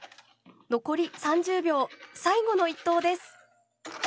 残り３０秒最後の１投です。